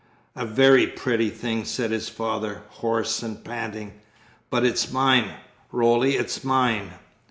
"A very pretty thing," said his father, hoarse and panting; "but it's mine, Roly, it's mine!"